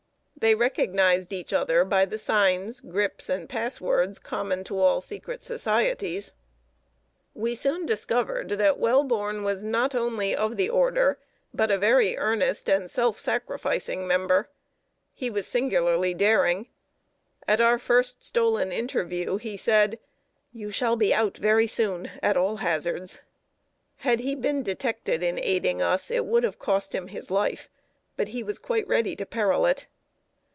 They recognized each other by the signs, grips, and passwords, common to all secret societies. We soon discovered that Welborn was not only of the Order, but a very earnest and self sacrificing member. He was singularly daring. At our first stolen interview he said: "You shall be out very soon, at all hazards." Had he been detected in aiding us, it would have cost him his life; but he was quite ready to peril it.